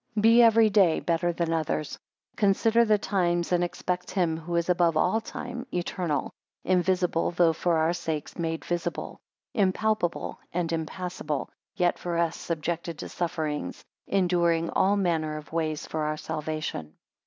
15 Be every day better than others; consider the times, and expect him, who is above all time, eternal; invisible, though for our sakes made visible: impalpable, and impassible, yet for us subjected to sufferings; enduring all manner of ways for our salvation.